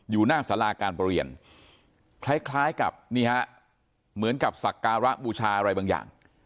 อยู่หน้าสาราการประเรียนคล้ายกับนี่ฮะเหมือนกับสักการะบูชาอะไรบางอย่าง